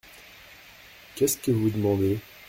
Qu’est-ce que vous demandez ?